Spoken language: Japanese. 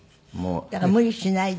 だから無理しないで。